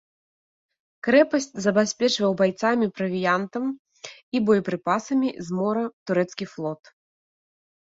Крэпасць забяспечваў байцамі, правіянтам і боепрыпасамі з мора турэцкі флот.